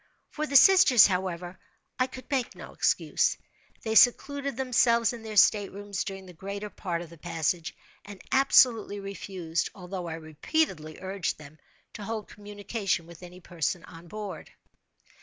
For the sisters, however, I could make no excuse. They secluded themselves in their staterooms during the greater part of the passage, and absolutely refused, although I repeatedly urged them, to hold communication with any person on board.